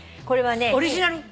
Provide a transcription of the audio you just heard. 「オリジナル」